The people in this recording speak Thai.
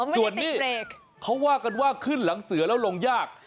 ส่วนนี้เขาว่ากันว่าขึ้นหลังเสือแล้วลงยาก